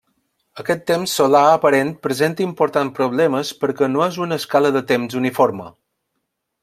Aquest temps solar aparent presenta importants problemes perquè no és una escala de temps uniforme.